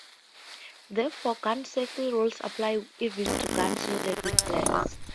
Therefore, gun safety rules apply even to guns loaded with blanks.